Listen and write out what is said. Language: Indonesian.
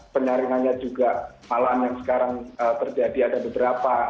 penyaringannya juga malahan yang sekarang terjadi ada beberapa